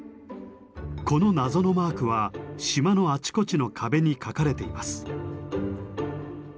この謎のマークは島のあちこちの壁にかかれています。